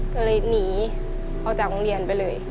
ก็เลยหนีออกจากโรงเรียนไปเลย